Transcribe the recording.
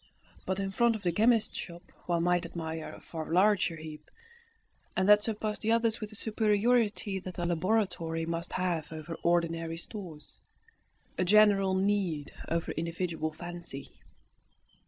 But in front of the chemist's shop one might admire a far larger heap, and that surpassed the others with the superiority that a laboratory must have over ordinary stores, a general need over individual fancy.